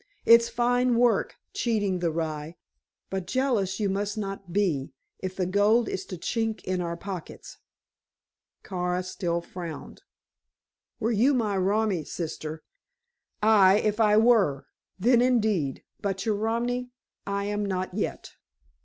"It's fine work, cheating the rye. But jealous you must not be, if the gold is to chink in our pockets." Kara still frowned. "Were you my romi, sister " "Aye, if I were. Then indeed. But your romi I am not yet."